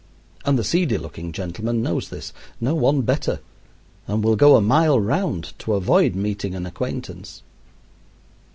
And the seedy looking gentleman knows this no one better and will go a mile round to avoid meeting an acquaintance.